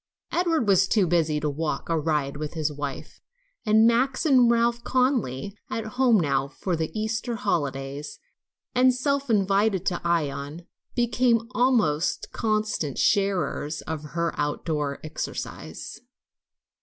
Edward was too busy to walk or ride with his wife, and Max and Ralph Conly, at home now for the Easter holidays and self invited to Ion, became the almost constant sharers of her outdoor exercise.